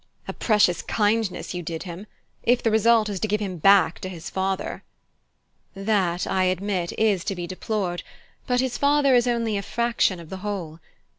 "A precious kindness you did him! If the result is to give him back to his father." "That, I admit, is to be deplored; but his father is only a fraction of the whole.